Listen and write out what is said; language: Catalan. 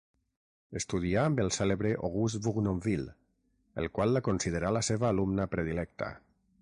Estudià amb el cèlebre August Bournonville, el qual la considerà la seva alumna predilecta.